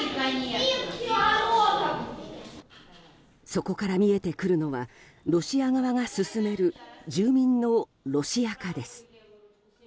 そこから見えてくるのはロシア側が進める住民のロシア化です。